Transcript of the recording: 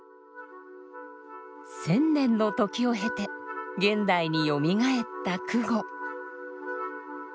１，０００年の時を経て現代によみがえった箜篌。